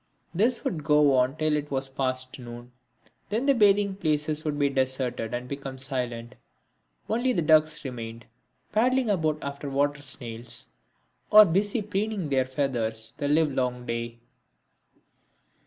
This would go on till it was past noon. Then the bathing places would be deserted and become silent. Only the ducks remained, paddling about after water snails, or busy preening their feathers, the live long day.